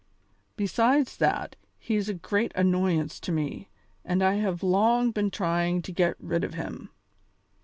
Besides that, he is a great annoyance to me, and I have long been trying to get rid of him.